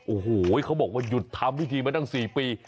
โอ้โหเขาบอกว่าหยุดทำพิธีมาตั้ง๔ปี